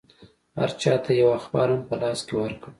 هر چا ته یې یو اخبار هم په لاس کې ورکړ.